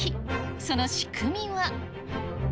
その仕組みは。